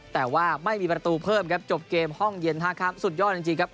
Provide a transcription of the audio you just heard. แต่ว่าไม่มีประตูเพิ่มครับจบเกมห้องเย็นท่าข้ามสุดยอดจริงครับ